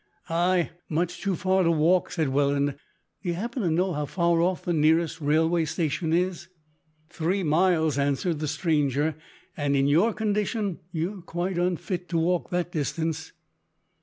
"Ay, much too far to walk," said Welland. "D'you happen to know how far off the nearest railway station is?" "Three miles," answered the stranger, "and in your condition you are quite unfit to walk that distance."